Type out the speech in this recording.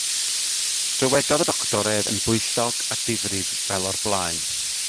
Dywedodd y doctor ef yn bwyllog a difrif fel o'r blaen.